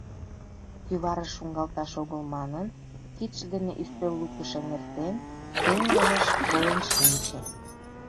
Кӱварыш шуҥгалташ огыл манын, кидше дене ӱстел лукыш эҥертен, теҥгылыш волен шинче.